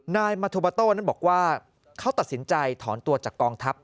นายมาโทบาโต้นั้นบอกว่าเขาตัดสินใจถอนตัวจากกองทัพ